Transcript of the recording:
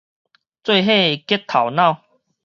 做伙激頭腦